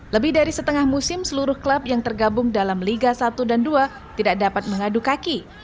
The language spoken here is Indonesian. lebih dari setengah musim seluruh klub yang tergabung dalam liga satu dan dua tidak dapat mengadu kaki